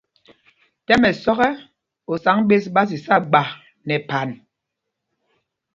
Tɛ́m ɛsɔ́k ɛ, osǎŋg ɓes ɓá sisá mgbásá nɛ phan.